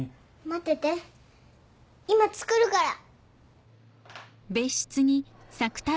待ってて今作るから。